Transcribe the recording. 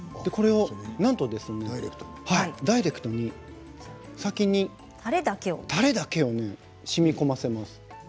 これをなんとダイレクトに先にたれだけをしみこませます。